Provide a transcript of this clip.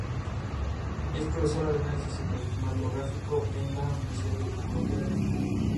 Algunos dulces son claramente de herencia árabe y se elaboran de forma totalmente artesana.